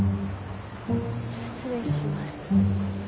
失礼します。